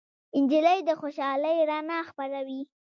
نجلۍ د خوشالۍ رڼا خپروي.